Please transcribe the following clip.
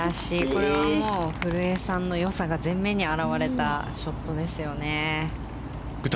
これは古江さんの良さが全面に表れたショットですよね。